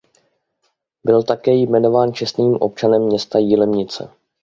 Byl také jmenován čestným občanem města Jilemnice.